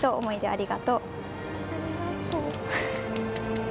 ありがとう。